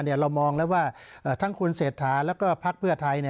เรามองแล้วว่าทั้งคุณเศรษฐาแล้วก็พักเพื่อไทย